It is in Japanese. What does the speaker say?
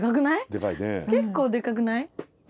結構でかくない？